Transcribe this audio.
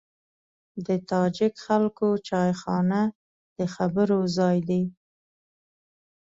د تاجک خلکو چایخانه د خبرو ځای دی.